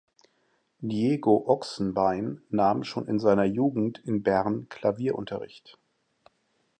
Diego Ochsenbein nahm schon in seiner Jugend in Bern Klavierunterricht.